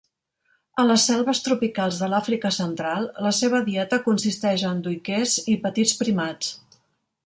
A les selves tropicals de l'Àfrica Central, la seva dieta consisteix en duiquers i petits primats.